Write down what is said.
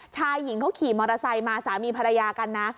ชายหญิงเขาขี่มอเตอร์ไซค์มาสามีภรรยากันนะ